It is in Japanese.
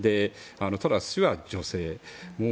トラス氏は女性。